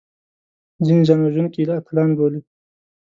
ځینې ځانوژونکي اتلان بولي